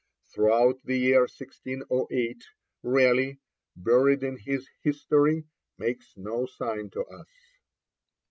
Throughout the year 1608, Raleigh, buried in his History, makes no sign to us.